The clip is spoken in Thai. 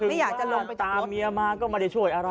ไม่อยากจะลงไปจากรถคือว่าตามเมียมาก็ไม่ได้ช่วยอะไร